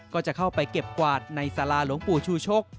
ก็จะเข้าไปเก็บกวาดในสาราหลวงปู่ชูชก